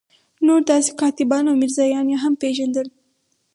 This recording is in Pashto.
نور داسې کاتبان او میرزایان یې هم پېژندل.